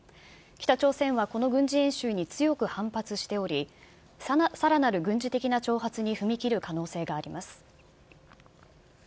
北朝鮮はこの軍事演習に強く反発しており、さらなる軍事的な挑発に踏み切る可能性があります。